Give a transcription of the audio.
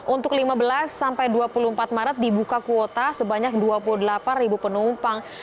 untuk lima belas sampai dua puluh empat maret dibuka kuota sebanyak dua puluh delapan penumpang